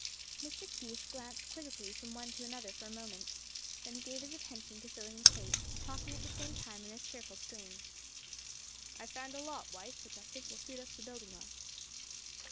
Mr. Keith glanced quizzically from one to another for a moment. Then gave his attention to filling the plates; talking at the same time in a cheerful strain. "I have found a lot, wife, which I think will suit us for building on.